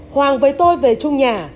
hoàng với tôi về chung nhà